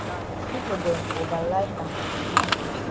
Pipo dem ova like am.